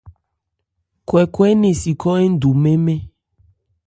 Kwɛkwɛ nɛn si khɔ́ ńdu mɛ́n-mɛ́n.